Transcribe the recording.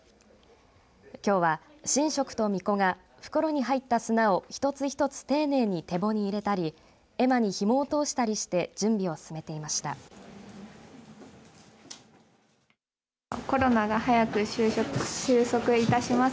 きょうは、神職とみこが袋に入った砂を１つ１つ丁寧に、てぼに入れたり絵馬にひもを通したりして準備を進めていました。